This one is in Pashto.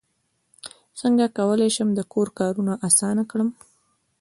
څنګه کولی شم د کور کارونه اسانه کړم